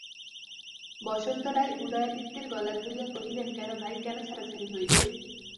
বসন্ত রায় উদয়াদিত্যের গলা ধরিয়া কহিলেন, কেন ভাই, কেন ছাড়াছাড়ি হইবে?